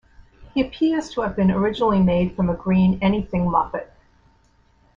He appears to have been originally made from a green Anything Muppet.